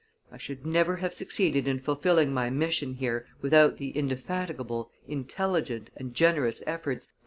"I should never have succeeded in fulfilling my mission here without the indefatigable, intelligent, and generous efforts of M.